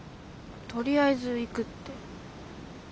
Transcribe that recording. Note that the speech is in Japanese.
とりあえず行くって。